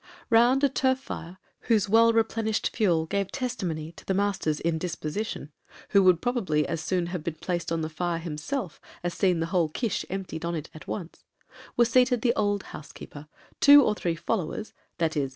Round a turf fire, whose well replenished fuel gave testimony to the 'master's' indisposition, who would probably as soon have been placed on the fire himself as seen the whole kish emptied on it once, were seated the old housekeeper, two or three followers, (i.e.